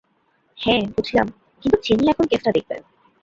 হ্যাঁ, বুঝলাম, কিন্তু চেনি এখন কেসটা দেখবে।